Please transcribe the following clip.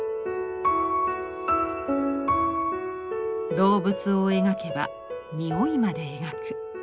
「動物を描けば匂いまで描く」。